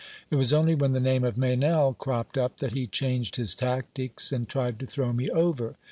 It was only when the name of Meynell cropped up that he changed his tactics and tried to throw me over.